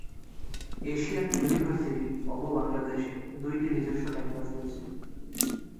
Asian university of বাংলাদেশের দুইটি নিজস্ব ক্যাম্পাস রয়েছে।